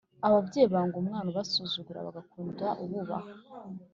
Ababyeyi banga umwana ubasuzugura bagakunda ububaha